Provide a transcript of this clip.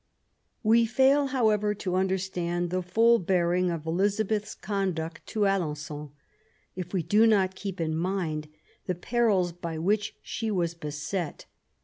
We fail, however, to understand the full bearing of Elizabeth's conduct to Alen9on if we do not keep in mind the perils by which she was beset.